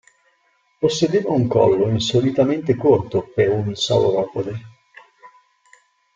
Possedeva un collo insolitamente corto per un sauropode.